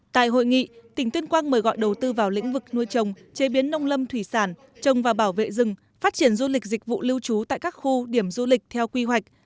tại hội nghị tỉnh tuyên quang mời gọi đầu tư vào lĩnh vực nuôi trồng chế biến nông lâm thủy sản trồng và bảo vệ rừng phát triển du lịch dịch vụ lưu trú tại các khu điểm du lịch theo quy hoạch